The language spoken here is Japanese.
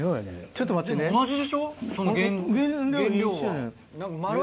ちょっと待ってねはい。